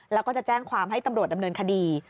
แล้วก็จะแจ้งความให้ตำรวจดำเนินคดี